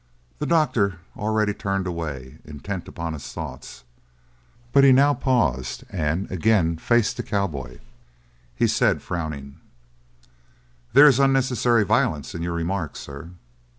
The doctor already turned away, intent upon his thoughts, but he now paused and again faced the cowboy. He said, frowning: "There is unnecessary violence in your remark, sir."